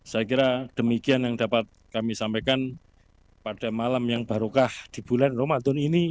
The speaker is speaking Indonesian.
saya kira demikian yang dapat kami sampaikan pada malam yang barokah di bulan ramadan ini